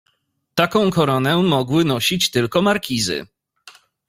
"Taką koronę mogły nosić tylko markizy."